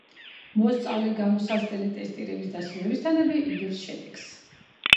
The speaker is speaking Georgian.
მოსწავლე გამოსაცდელი ტესტირების დასრულებისთანავე იგებს შედეგს.